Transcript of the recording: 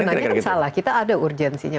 tapi sebenarnya tidak salah kita ada urgensinya